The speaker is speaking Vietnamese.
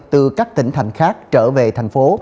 từ các tỉnh thành khác trở về thành phố